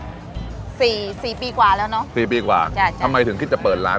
คนที่มาทานอย่างเงี้ยควรจะมาทานแบบคนเดียวนะครับ